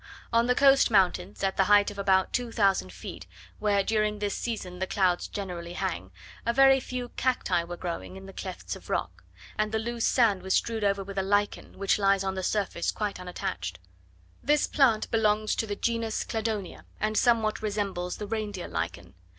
On the coast mountains, at the height of about 2000 feet where during this season the clouds generally hang, a very few cacti were growing in the clefts of rock; and the loose sand was strewed over with a lichen, which lies on the surface quite unattached. This plant belongs to the genus Cladonia, and somewhat resembles the reindeer lichen.